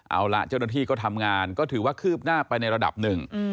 เอาล่ะเจ้าหน้าที่ก็ทำงานก็ถือว่าคืบหน้าไปในระดับหนึ่ง